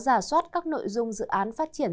giả soát các nội dung dự án phát triển